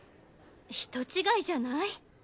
人違いじゃない？